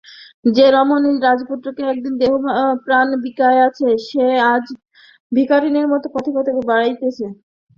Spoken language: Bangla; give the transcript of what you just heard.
যে রমণী যুবরাজকে একদিন দেহপ্রাণ বিকাইয়াছে সে আজ ভিখারিনীর মতো পথে পথে বেড়াইতেছে।